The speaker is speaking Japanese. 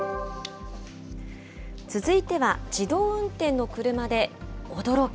続いては、自動運転の車で驚き。